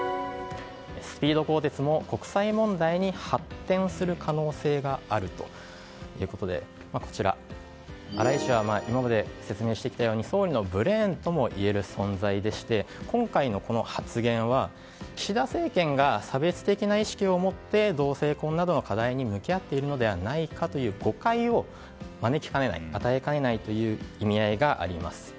スピード更迭も国際問題に発展する可能性があるということで荒井氏は今まで説明してきたように総理のブレーンともいえる存在でして今回の発言は、岸田政権が差別的意識を持って同性婚などの課題に向き合っているのではないかという誤解を招きかねない与えかねないという意味合いがあります。